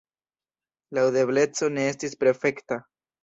La aŭdebleco ne estis perfekta.